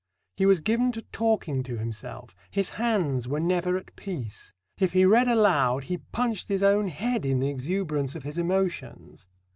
He was given to talking to himself; his hands were never at peace; "if he read aloud, he punched his own head in the exuberance of his emotions."